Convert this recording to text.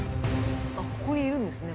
あっここにいるんですね。